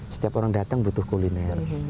setiap orang datang butuh kuliner